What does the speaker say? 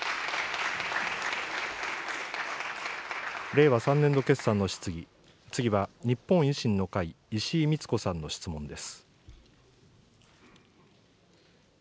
令和３年度決算の質疑、次は日本維新の会、石井苗子さんの質問です。